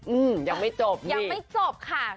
อืมยังไม่จบยังไม่จบค่ะ